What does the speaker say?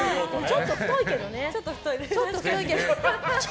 ちょっと太いけどね。